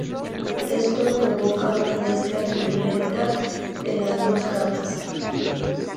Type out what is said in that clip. Esto provoca una mezcla turbulenta de las dos capas.